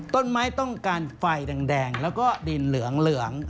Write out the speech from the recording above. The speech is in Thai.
ต้องการไฟแดงแล้วก็ดินเหลือง